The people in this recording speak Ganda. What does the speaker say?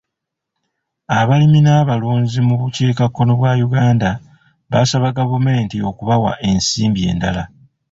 Abalimi n'abalunzi mu bukiikakkono bwa Uganda baasaba gavumenti okubawa ensimbi endala.